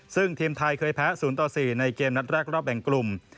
ซึ่งทีมไทยเคยแพ้๐ต่อ๔ในเกมนัดแรกรอบแบ่งกลุ่ม